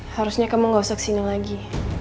harusnya kamu gak usah kesini lagi